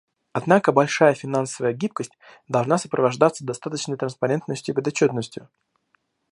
Однако большая финансовая гибкость должна сопровождаться достаточной транспарентностью и подотчетностью.